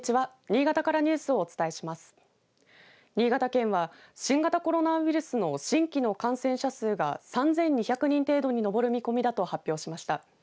新潟県は新型コロナウイルスの新規の感染者数が３２００人程度に上る見込みだと発表しました。